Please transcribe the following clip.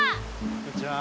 こんにちは。